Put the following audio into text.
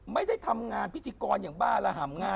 ไม่ได้ทำงานกรภิติกรอย่างบ้าระฮ่ำ